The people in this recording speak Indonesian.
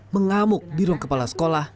mengamuk di ruang kepala sekolah